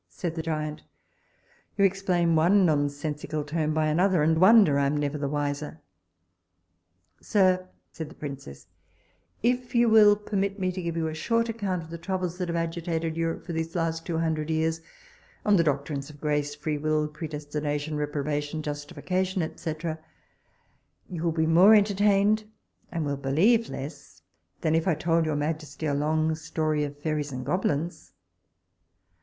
said the giant. You explain one nonsensical term by another, and wonder I am never the wiser. Sir, said the princess, if you will permit me to give you a short account of the troubles that have agitated Europe for these last two hundred years, on the doctrines of grace, free will, predestination, reprobation, justification, &c. you will be more entertained, and will believe less, than if I told your majesty a long story of fairies and goblins.